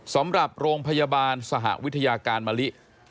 สำหรับโรงพยาบาลสหวิทยาการมะลิ